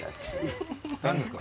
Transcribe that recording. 何ですか？